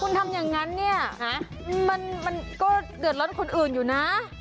คุณทำอย่างนั้นเนี่ยมันก็เดือดร้อนคนอื่นอยู่นะ